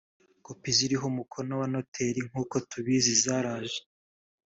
kopi ziriho umukono wa noteri nk uko tubizi zaraje